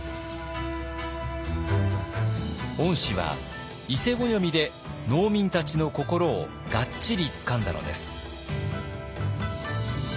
御師は伊勢暦で農民たちの心をがっちりつかんだのです。